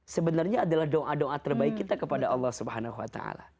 sebenarnya adalah doa doa terbaik kita kepada allah swt